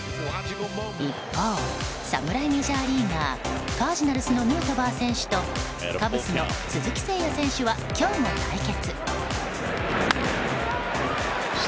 一方、侍メジャーリーガーカージナルスのヌートバー選手とカブスの鈴木誠也選手は今日も対決。